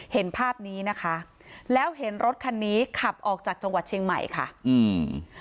เห็นภาพนี้นะคะแล้วเห็นรถคันนี้ขับออกจากจังหวัดเชียงใหม่ค่ะอืม